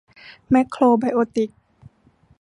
แม็คโครไบโอติกส์